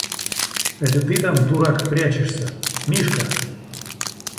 – Это ты там, дурак, прячешься? – Мишка!